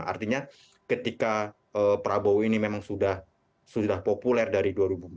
artinya ketika prabowo ini memang sudah populer dari dua ribu empat belas